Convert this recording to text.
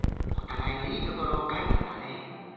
おたがいのいいところをかいたんだね。